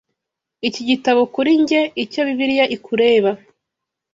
Iki gitabo kuri njye icyo Bibiliya ikureba.